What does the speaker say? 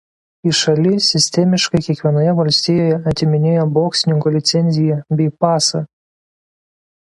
Iš Ali sistemiškai kiekvienoje valstijoje atiminėjo boksininko licenziją bei pasą.